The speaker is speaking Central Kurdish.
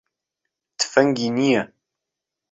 تفەنگی نییە.